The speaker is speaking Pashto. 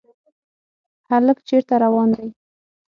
هلک چېرته روان دی ؟